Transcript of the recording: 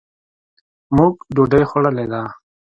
مونږ ډوډۍ خوړلې ده.